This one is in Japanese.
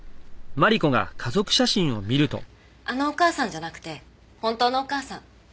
あのお母さんじゃなくて本当のお母さん。